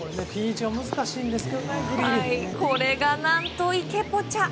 これが、何と池ポチャ。